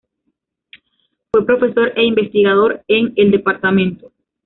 Fue profesor e investigador en el Dto.